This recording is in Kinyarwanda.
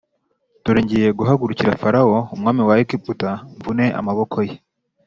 dore ngiye guhagurukira Farawo umwami wa Egiputa mvune amaboko ye